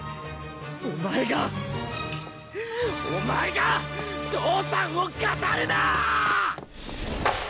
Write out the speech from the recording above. お前がお前が父さんを語るな！